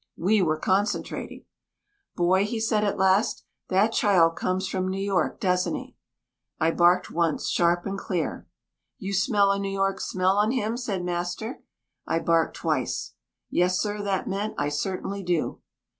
We were concentrating. "Boy," he said at last, "that child comes from New York, doesn't he?" I barked once, sharp and clear. "You smell a New York smell on him?" said master. I barked twice. "Yes, sir," that meant, "I certainly do."